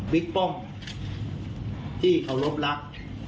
บิ๊กป้อมที่เขารบรัก